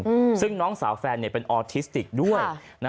อืมซึ่งน้องสาวแฟนเนี้ยเป็นออทิสติกด้วยนะ